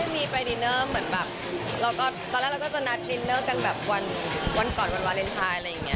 มีใครให้ดินเนอร์ก่อนวันวาเลนไทย